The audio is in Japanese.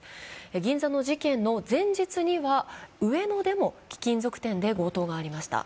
銀座の事件の前日には上野で貴金属店で強盗がありました。